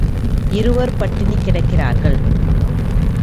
இருவர் பட்டினி கிடக்கிறார்கள்.